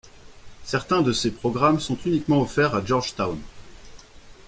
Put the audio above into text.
Certains de ces programmes sont uniquement offerts à Georgetown.